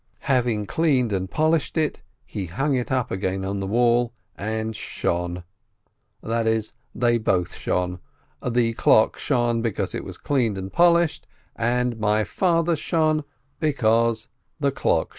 Hav ing cleaned and polished it, he hung it up again on the wall and shone, that is, they both shone : the clock shone because it was cleaned and polished, and my father shone because the clock shone.